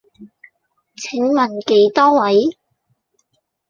請問幾多位？